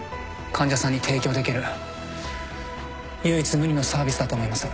患者さんに提供できる唯一無二のサービスだと思います。